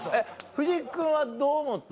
藤木君はどう思った？